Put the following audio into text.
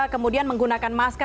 kemudian menggunakan masker